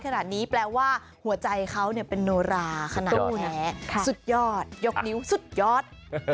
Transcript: ขนาดนี้แปลว่าหัวใจเขาเป็นโนราขนาดสุดยอดยกนิ้วสุดยอด